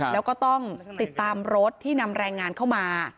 แล้วก็ต้องติดตามรถที่นำแรงงานเข้ามา